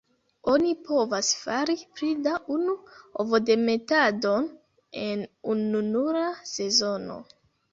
Oni povas fari pli da unu ovodemetadon en ununura sezono.